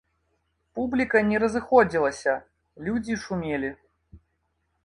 Публіка не разыходзілася, людзі шумелі.